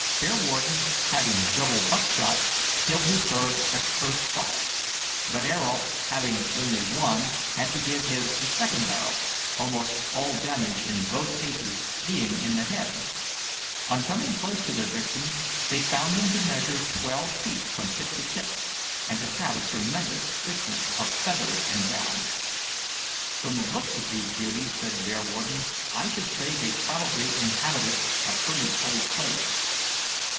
Bearwarden, having double buckshot, killed his bird at the first fire; but Ayrault, having only No. 1, had to give his the second barrel, almost all damage in both cases being in the head. On coming close to their victims they found them to measure twelve feet from tip to tip, and to have a tremendous thickness of feathers and down. "From the looks of these beauties," said Bearwarden, "I should say they probably inhabited a pretty cold place."